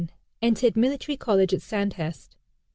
Entered military college at Sandhurst.